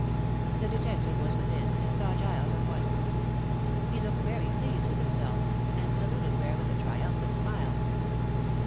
The detective was within, and saw Giles at once. He looked very pleased with himself, and saluted Ware with a triumphant smile.